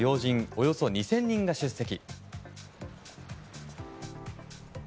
およそ２０００人が出席。